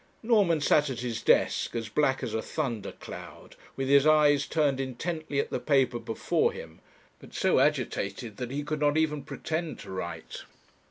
Norman sat at his desk, as black as a thunder cloud, with his eyes turned intently at the paper before him; but so agitated that he could not even pretend to write.